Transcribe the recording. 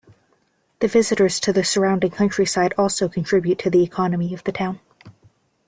The visitors to the surrounding countryside also contribute to the economy of the town.